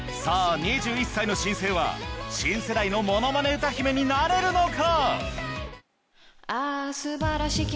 ２１歳の新星は新世代のものまね歌姫になれるのか？